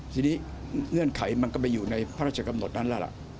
ทีนี้เงื่อนไขมันก็ไปอยู่ในพระราชกำหนดนั้นแล้วล่ะ